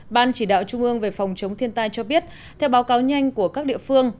ban chỉ đạo trung ương về phòng chống thiên tai cho biết theo báo cáo nhanh của các địa phương